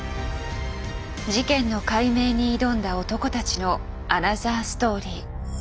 事件の解明に挑んだ男たちのアナザーストーリー。